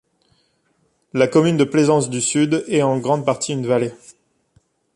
La commune de Plaisance-du-Sud est en grande partie une vallée.